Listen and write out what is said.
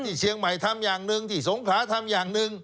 ที่เชียงใหม่ทำอย่างหนึ่งที่สงขลาทำอย่างหนึ่ง